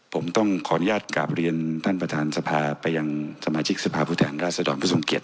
ผมต้องขออนุญาตกลับเรียนท่านประธานสภาไปยังสมาชิกสภาพผู้แทนราชดรผู้ทรงเกียจ